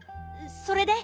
それで？